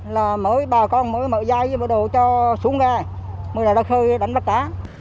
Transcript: là mới bà con mới mở dây và đổ cho xuống ra mới là đã khơi đánh bắt cá